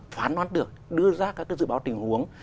phán đoán được đưa ra các dự báo tình huống